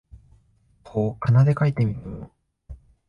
こう仮名で書いてみても、